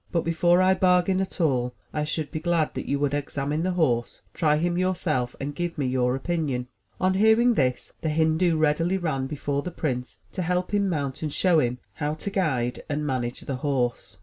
But before I bargain at all, I should be glad that you would examine the horse, try him yourself and give me your opinion." On hearing this, the Hindu readily ran before the prince to help him mount and show him how to guide and 41 M Y BOOK HOUSE manage the horse.